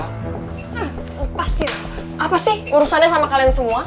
hah pasir apa sih urusannya sama kalian semua